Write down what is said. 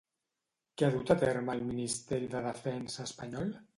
Què ha dut a terme el Ministeri de Defensa espanyol?